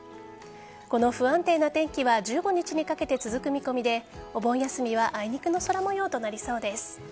この不安定な天気は１５日にかけて続く見込みでお盆休みはあいにくの空模様となりそうです。